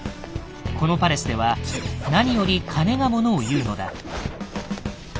このパレスでは何より金が物を言うのだ。